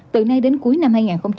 từ nay đến cuối năm hai nghìn hai mươi